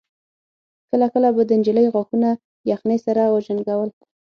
کله کله به د نجلۍ غاښونه يخنۍ سره وجنګول.